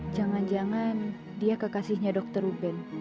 jangan jangan dia kekasihnya dr ruben